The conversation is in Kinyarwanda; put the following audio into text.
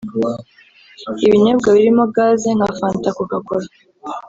Ibinyobwa birimo gaz nka Fanta coca cola